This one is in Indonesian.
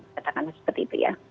katakanlah seperti itu ya